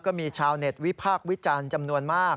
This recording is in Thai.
ก็มีชาวเน็ตวิพากษ์วิจารณ์จำนวนมาก